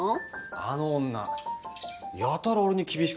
あの女やたら俺に厳しくないか？